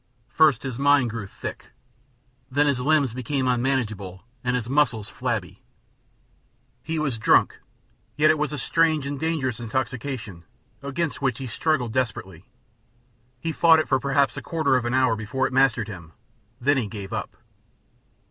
First his mind grew thick, then his limbs became unmanageable and his muscles flabby. He was drunk. Yet it was a strange and dangerous intoxication, against which he struggled desperately. He fought it for perhaps a quarter of a mile before it mastered him; then he gave up.